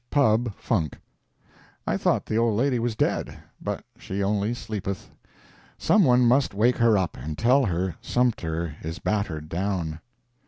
Pub. Func. I thought the old lady was dead. But she only sleepeth. Someone must wake her up, and tell her Sumter is battered down.